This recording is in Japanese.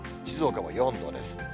静岡も４度です。